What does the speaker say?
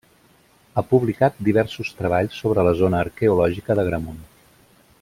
Ha publicat diversos treballs sobre la zona arqueològica d'Agramunt.